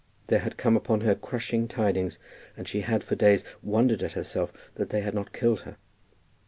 There had come upon her crushing tidings, and she had for days wondered at herself that they had not killed her.